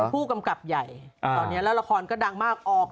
เป็นผู้กำกับใหญ่และรายละครก็ดังมากออก